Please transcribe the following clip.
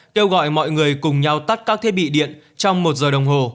kêu gọi mọi người cùng nhau tắt các thiết bị điện trong một giờ đồng hồ